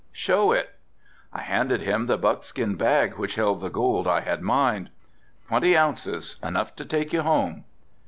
"Show it?" I handed him the buckskin bag which held the gold I had mined. "Twenty ounces, enough to take you home."